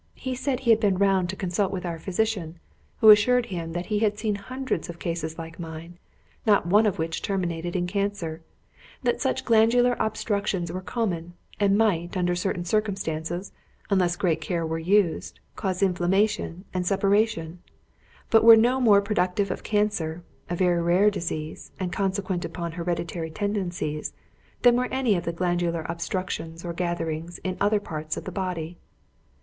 He said he had been round to consult with our physician, who assured him that he had seen hundreds of cases like mine, not one of which terminated in cancer; that such glandular obstructions were common, and might, under certain circumstances, unless great care were used, cause inflammation and suppuration; but were no more productive of cancer, a very rare disease, and consequent upon hereditary tendencies, than were any of the glandular obstructions or gatherings in other parts of the body.